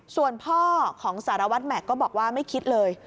ส่วนพ่อของสารวัตรแม็กซ์ก็บอกว่าไม่คิดเลย